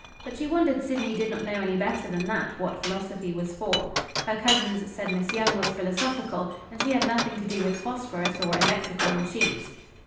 But she wondered Sydney did not know any better than that what philosophy was for. Her cousins said Miss Young was philosophical, and she had nothing to do with phosphorus or electrical machines.